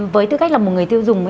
với tư cách là một người tiêu dùng